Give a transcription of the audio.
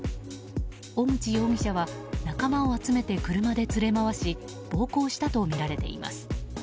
小口容疑者は仲間を集めて車で連れ回し暴行したとみられています。